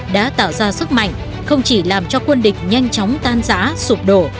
đã tạo ra sức mạnh không chỉ làm cho quân địch nhanh chóng tan giá sụp đổ